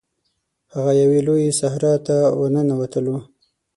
هغه یوې لويي صحرا ته ورننوتلو.